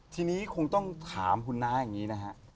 ทีนี้คงต้องถามคุณน้าอย่างนี้นะฮะ